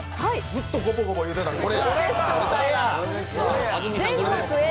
ずっとゴボゴボいうてたのこれや！